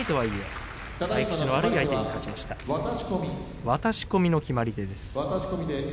渡し込みの決まり手です。